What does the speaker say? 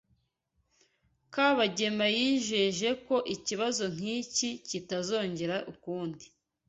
Kabagema yijeje ko ikibazo nk'iki kitazongera ukundi.